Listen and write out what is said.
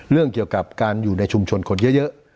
เรื่องเกี่ยวกับการอยู่ในชุมชนคนเยอะ